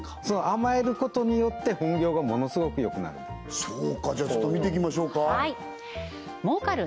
甘えることによって本業がものすごくよくなるんですそうかじゃあちょっと見ていきましょうか儲かる！